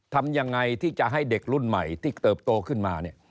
ทำยังไงที่จะให้เด็กรุ่นใหม่ที่เติบโตขึ้นมาเนี่ย